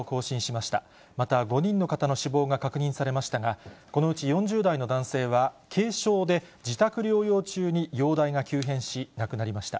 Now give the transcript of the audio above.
また、５人の方の死亡が確認されましたが、このうち４０代の男性は、軽症で自宅療養中に容体が急変し、亡くなりました。